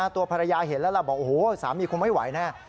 ตัวภรรยาเห็นแล้วล่ะบอกโอ้โหสามีคงไม่ไหวแน่